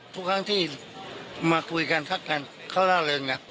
ทุกครั้งที่มาคุยกันทักกันเขาล่าเริงนะ